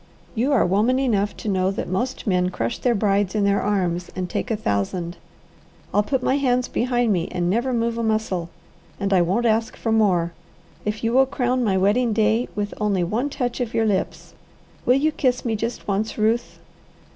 You are woman enough to know that most men crush their brides in their arms and take a thousand. I'll put my hands behind me and never move a muscle, and I won't ask for more, if you will crown my wedding day with only one touch of your lips. Will you kiss me just once, Ruth?"